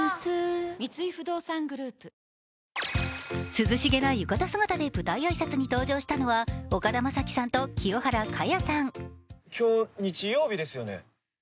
涼しげな浴衣姿で舞台挨拶に登場したのは岡田将生さんと清原果耶さん。